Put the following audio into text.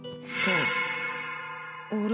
あれ？